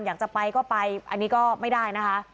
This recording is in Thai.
อยากจะไปก็ไปอันนี้ก็ไม่ได้นะคะ